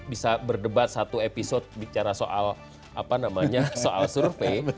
bisa berdebat satu episode bicara soal apa namanya soal survei